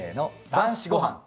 『男子ごはん』。